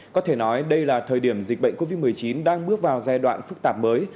có thể nói đây là thời điểm dịch bệnh covid một mươi chín đang bước vào giai đoạn phức tạp mới